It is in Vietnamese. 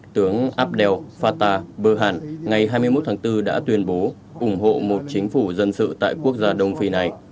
tướng abdel fata berhan ngày hai mươi một tháng bốn đã tuyên bố ủng hộ một chính phủ dân sự tại quốc gia đông phi này